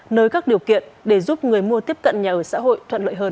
nơi các điều kiện để giúp người mua tiếp cận nhà ở xã hội thuận lợi hơn